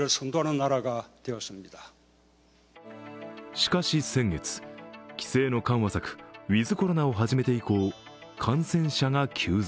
しかし先月、規制の緩和策ウィズ・コロナを始めて以降、感染者が急増。